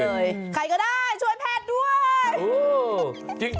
ใครก็ได้ช่วยแพทย์ด้วย